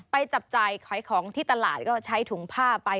จับจ่ายขายของที่ตลาดก็ใช้ถุงผ้าไป